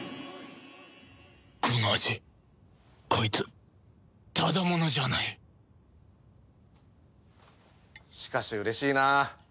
この味こいつただ者じゃないしかしうれしいなあ。